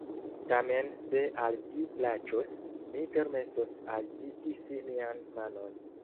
"Tamen se al ĝi plaĉos, mi permesos al ĝi kisi mian manon."